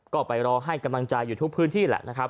ก็ไปรอให้กำลังใจอยู่ทุกพื้นที่แหละนะครับ